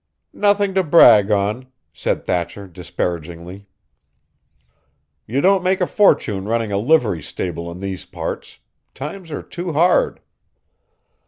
"Nothin' to brag on," said Thatcher disparagingly. "You don't make a fortune running a livery stable in these parts times are too hard."